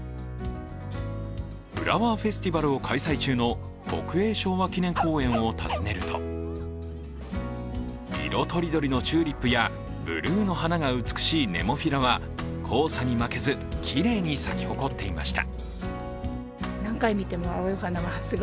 フラワーフェスティバルを開催中の国営昭和記念公園を訪ねると色とりどりのチューリップやブルーの花が美しいネモフィラは黄砂に負けずきれいに咲き誇っていました。